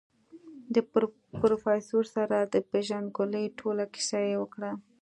د پروفيسر سره د پېژندګلوي ټوله کيسه يې وکړه.